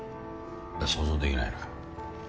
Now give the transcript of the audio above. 想像できないな。